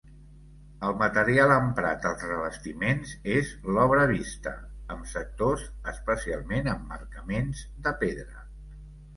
El material emprat als revestiments és l'obra vista, amb sectors, especialment emmarcaments, de pedra.